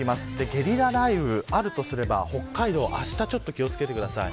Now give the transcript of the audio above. ゲリラ雷雨、あるとすれば北海道あしたちょっと気を付けてください。